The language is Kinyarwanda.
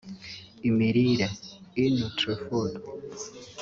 imirire (eNutrifood)